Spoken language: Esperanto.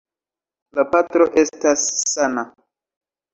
La patro estas sana.